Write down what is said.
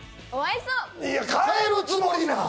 いや、帰るつもりなん！？